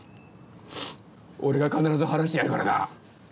俺が必ず晴らしてやるからな。